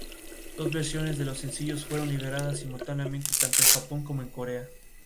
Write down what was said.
Seguidamente seguía un debate y preguntas al personaje realizadas por varios periodistas.